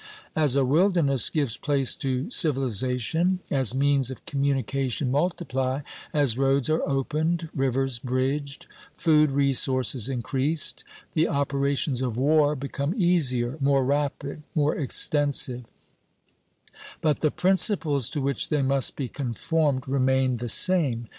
As a wilderness gives place to civilization, as means of communication multiply, as roads are opened, rivers bridged, food resources increased, the operations of war become easier, more rapid, more extensive; but the principles to which they must be conformed remain the same.